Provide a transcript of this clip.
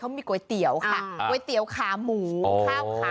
ส่วนเมนูที่ว่าคืออะไรติดตามในช่วงตลอดกิน